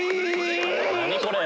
何？